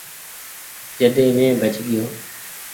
جڏي مينٚ بچ گيو